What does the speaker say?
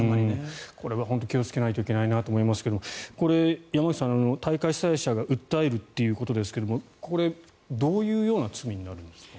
これは本当に気をつけないといけないなと思いますが山口さん、大会主催者が訴えるということですけどこれどういう罪になるんですか？